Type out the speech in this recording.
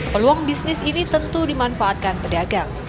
peluang bisnis ini tentu dimanfaatkan pedagang